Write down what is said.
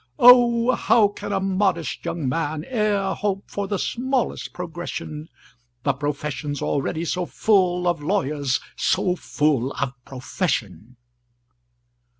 "O, how can a modest young man E'er hope for the smallest progression,— The profession's already so full Of lawyers so full of profession!"